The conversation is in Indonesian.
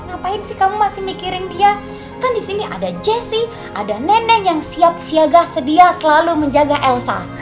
ngapain sih kamu masih mikirin dia kan di sini ada jesse ada neneng yang siap siaga sedia selalu menjaga elsa